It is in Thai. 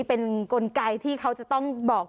เป็นกลไกที่เขาจะต้องบอก